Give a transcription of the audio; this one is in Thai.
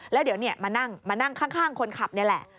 แล้วเดี๋ยวมานั่งมานั่งข้างคนขับนี่แหละ